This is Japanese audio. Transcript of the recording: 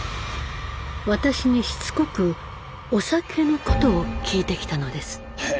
私にしつこく「お酒」のことを聞いてきたのです。